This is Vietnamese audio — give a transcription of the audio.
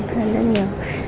hơn rất nhiều